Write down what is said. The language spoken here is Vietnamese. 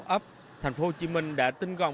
ấp tp hcm đã tinh gọn